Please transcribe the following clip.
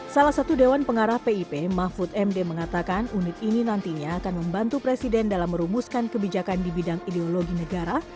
salah satu dewan pengarah pip mahfud md mengatakan unit ini nantinya akan membantu presiden dalam merumuskan kebijakan di bidang ideologi negara